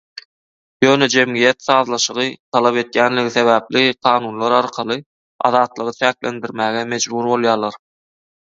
Ýöne jemgyýet sazlaşygy talap edýänligi sebäpli kanunlar arkaly azatlygy çäklendirmäge mejbur bolýarlar.